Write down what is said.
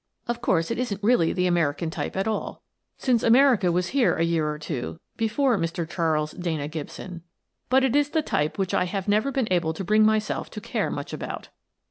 Of course, it isn't really the American type at all — since America was here a year or two before Mr. Charles Dana Gibson. But it is the type which I have never been able to bring myself to care much about.